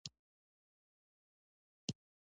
ازادي راډیو د روغتیا د تحول لړۍ تعقیب کړې.